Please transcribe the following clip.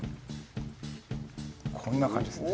こんな感じですね。